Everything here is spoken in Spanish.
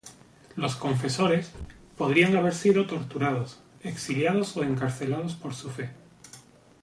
Los confesores, podrían haber sido torturados, exiliados o encarcelados por su fe.